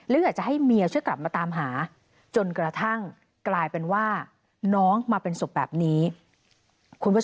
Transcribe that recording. ก็เลยคิดว่านายโจอาจจะสร้างสถานการณ์ว่าลูกหาย